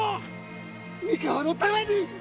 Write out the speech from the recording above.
三河のために！